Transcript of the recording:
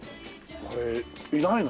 これいないの？